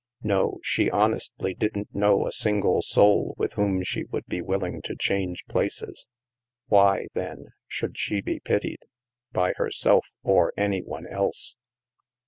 No, she honestly didn't know a single soul with whom she would be willing to change places. Why, then, should she be pitied — by herself or any one else?